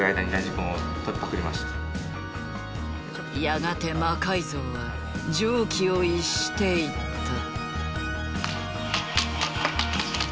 やがて魔改造は常軌を逸していった。